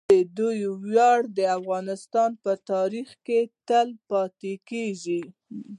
د دوی ویاړ د افغانستان په تاریخ کې تل پاتې کیږي.